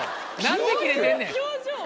何でキレてんねん？